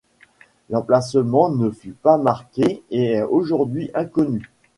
L'emplacement ne fut pas marqué et est aujourd'hui inconnu.